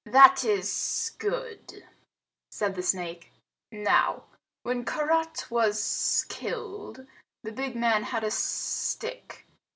"That is good," said the snake. "Now, when Karait was killed, the big man had a stick.